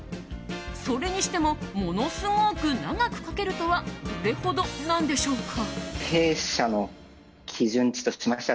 それにしてもものすごく長く書けるとはどれほどなんでしょうか？